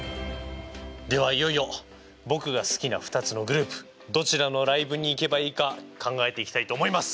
ではいよいよ僕が好きな２つのグループどちらのライブに行けばいいか考えていきたいと思います。